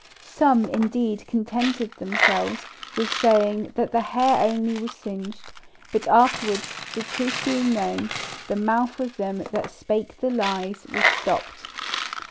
Some indeed contented themselves with saying that the hair only was singed; but afterwards, the truth being known, "the mouth of them that spake lies was stopped."